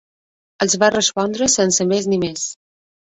Els va respondre, sense més ni més